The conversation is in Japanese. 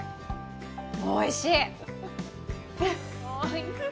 おいしい！